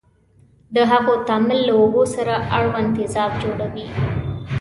د هغو تعامل له اوبو سره اړوند تیزاب جوړوي.